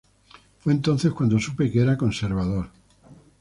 Fue entonces cuando supe que era conservador.